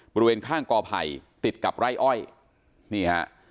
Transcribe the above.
บริเวณข้างกอไผ่ติดกับไร่อ้อยนี่ฮะ